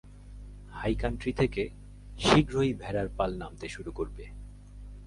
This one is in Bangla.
হাই কান্ট্রি থেকে শীঘ্রই ভেড়ার পাল নামতে শুরু করবে।